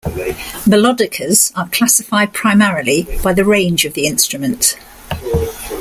Melodicas are classified primarily by the range of the instrument.